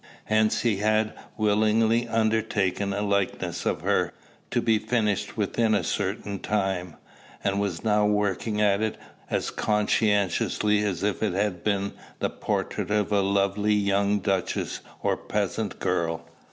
Hence he had willingly undertaken a likeness of her, to be finished within a certain time, and was now working at it as conscientiously as if it had been the portrait of a lovely young duchess or peasant girl.